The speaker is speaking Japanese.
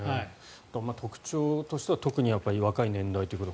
特徴としては特に若い年代という。